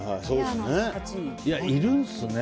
いるんですね。